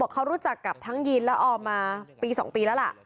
เขารู้จักกับทั้งยีนและออมมาปี๒ปีแล้วล่ะ